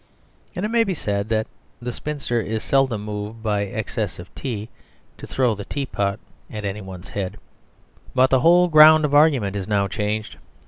And it may be said that the spinster is seldom moved by excess of tea to throw the tea pot at anybody's head. But the whole ground of argument is now changed.